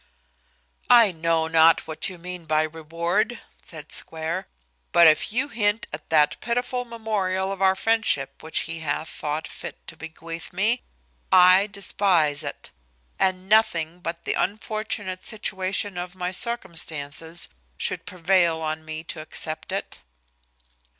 "I know not what you mean by reward," said Square; "but if you hint at that pitiful memorial of our friendship, which he hath thought fit to bequeath me, I despise it; and nothing but the unfortunate situation of my circumstances should prevail on me to accept it."